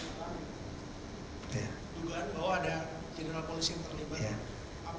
dari keempat atau terduga pelaku yang sempat di namankan oleh polisi